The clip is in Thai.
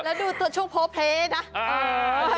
แล้วดูตัวช่วงโพเพนะ